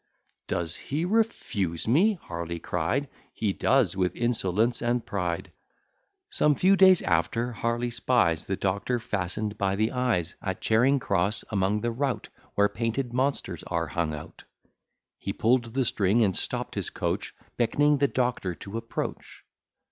"Does he refuse me?" Harley cry'd: "He does; with insolence and pride." Some few days after, Harley spies The doctor fasten'd by the eyes At Charing cross, among the rout, Where painted monsters are hung out: He pull'd the string, and stopt his coach, Beck'ning the doctor to approach.